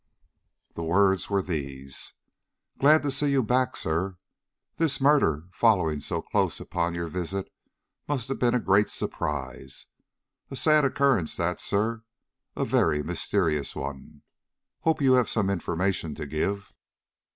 The words were these: "Glad to see you back, sir. This murder following so close upon your visit must have been a great surprise. A sad occurrence, that, sir, and a very mysterious one. Hope you have some information to give."